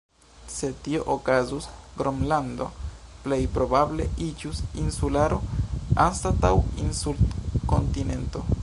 Se tio okazus Gronlando plej probable iĝus insularo, anstataŭ insul-kontinento.